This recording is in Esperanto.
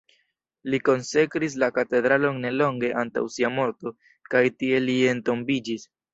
Li konsekris la katedralon ne longe antaŭ sia morto, kaj tie li entombiĝis.